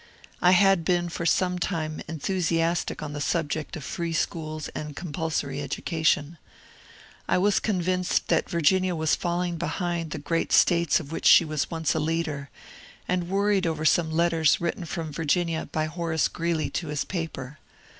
I had been for some time enthusiastic on the subject of free schools and compulsory education. I was con vinced that Virginia was falling behind the great States of which she was once leader, and worried over some letters writ ten from Virginia by Horace Grreeley to his paper.